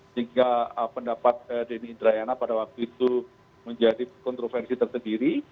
sehingga pendapat denny indrayana pada waktu itu menjadi kontroversi tersendiri